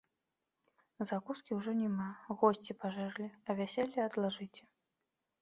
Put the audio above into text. Закускі ўжо няма, госці пажэрлі, а вяселле адлажыце.